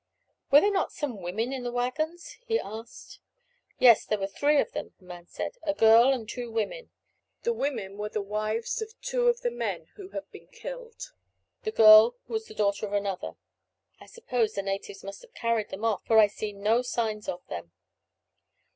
"Were there not some women in the waggons?" he asked. "Yes, there were three of them," the man said; "a girl and two women. The women were the wives of two of the men who have been killed. The girl was the daughter of another. I suppose the natives must have carried them off, for I see no signs of them."